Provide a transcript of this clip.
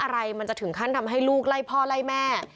อะไรมันจะถึงขั้นทำให้ลูกไล่พ่อไล่แม่